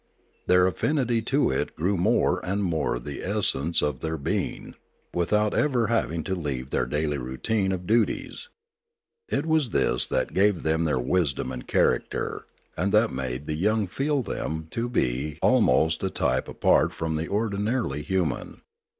Their affinity to it grew more and more the essence of their being, without ever having to leave their daily routine of duties. It was this that gave them their wisdom and character, and that made the young feel them to be almost a type apart from the ordinarily human.